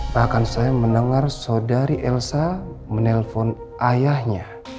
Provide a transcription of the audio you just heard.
bahkan saya mendengar saudari elsa menelpon ayahnya